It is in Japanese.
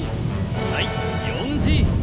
はい４Ｇ。